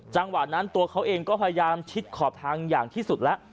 จังหวะนั้นตัวเขาเองก็พยายามชิดขอบทางอย่างที่สุดแล้ว